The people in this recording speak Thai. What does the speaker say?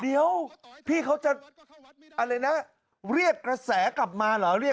เดี๋ยวพี่เขาจะอะไรนะเรียกกระแสกลับมาเหรอ